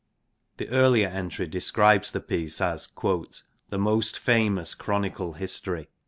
The earlier entry describes the piece as 'the most famous chronicle history.'